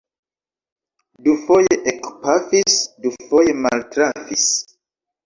Dufoje ekpafis; dufoje maltrafis.